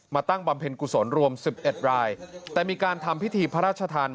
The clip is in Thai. ตั้งบำเพ็ญกุศลรวมสิบเอ็ดรายแต่มีการทำพิธีพระราชทาน